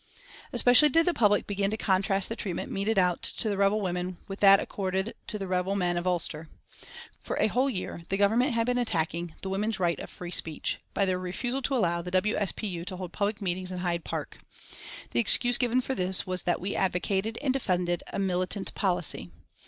Especially did the public begin to contrast the treatment meted out to the rebel women with that accorded to the rebel men of Ulster. For a whole year the Government had been attacking the women's right of free speech, by their refusal to allow the W. S. P. U. to hold public meetings in Hyde Park. The excuse given for this was that we advocated and defended a militant policy.